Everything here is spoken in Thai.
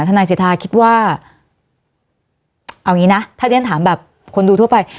นายสิทธาคิดว่าเอางี้นะถ้าเรียนถามแบบคนดูทั่วไป